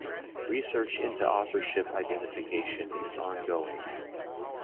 Research into authorship identification is ongoing.